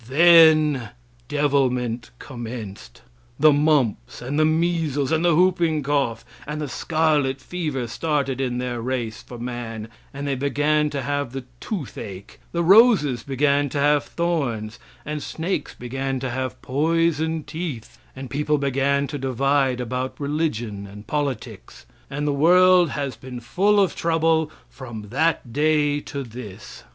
Then devilment commenced. The mumps, and the measles, and the whooping cough and the scarlet fever started in their race for man, and they began to have the toothache, the roses began to have thorns, and snakes began to have poisoned teeth, and people began to divide about religion and politics; and the world has been full of trouble from that day to this.